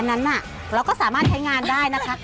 นั้นเราก็สามารถใช้งานได้นะคะ